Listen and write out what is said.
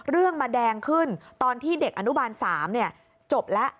เรื่องมาแดงขึ้นตอนที่เด็กอนุบาล๓จบแล้ว